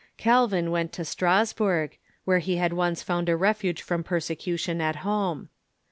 Calvin went to Strasburg, where he had once found a refuge from persecution at home.